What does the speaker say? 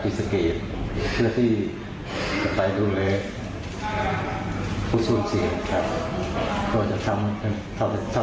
ตอนนี้แต่อยู่ก็จะต้องตายต้องเต็ม